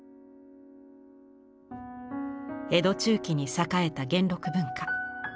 江戸中期に栄えた元禄文化。